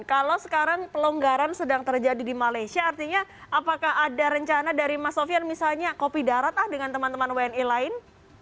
kalau sekarang pelonggaran sedang terjadi di malaysia artinya apakah ada rencana dari mas sofian misalnya kopi darat ah dengan teman teman wni lain